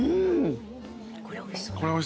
これおいしそうですね